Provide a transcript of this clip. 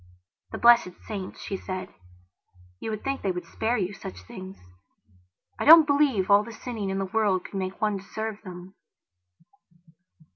"The blessed saints," she said, "you would think they would spare you such things. I don't believe all the sinning in the world could make one deserve them."